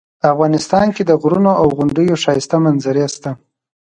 افغانستان کې د غرونو او غونډیو ښایسته منظرې شته